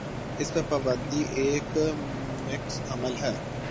اس پر پابندی ایک معکوس عمل ہے۔